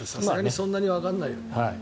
そんなにわかんないよね。